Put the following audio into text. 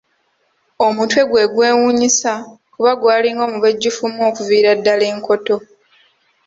Omutwe gwe gwewuunyisa kuba gwalinga omubejjufumu okuviira ddala enkoto.